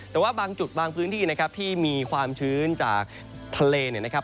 แต่ว่าบางจุดบางพื้นที่นะครับที่มีความชื้นจากทะเลเนี่ยนะครับ